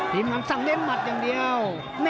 ทีมงานสั่งเน้นหมัดอย่างเดียว